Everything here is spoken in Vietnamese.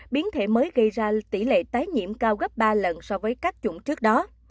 biến thể mới gây ra tỷ lệ tái nhiễm cao gấp ba lần so với các chủng trước đó